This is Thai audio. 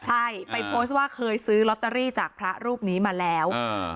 ใช่ไปโพสต์ว่าเคยซื้อลอตเตอรี่จากพระรูปนี้มาแล้ว